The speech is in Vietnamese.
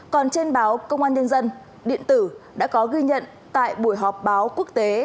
còn trên báo công an nhân dân điện tử đã có ghi nhận tại buổi họp báo quốc tế